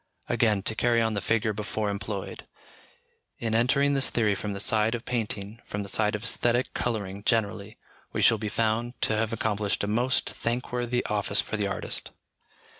Again, to carry on the figure before employed, in entering this theory from the side of painting, from the side of æsthetic colouring generally, we shall be found to have accomplished a most thank worthy office for the artist.